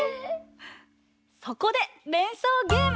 そこでれんそうゲーム！